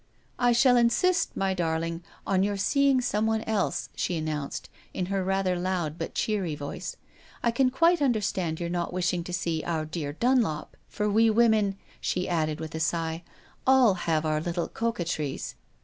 " I shall insist, my darling, on your seeing someone else," she announced in her rather loud but cheery voice. " I can quite under stand your not wishing to see our dear Dun lop, for we women," she added with a sigh, "all have our little coquetries.